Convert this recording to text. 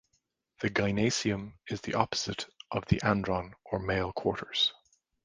The "gynaeceum" is the opposite to the "andron", or male quarters.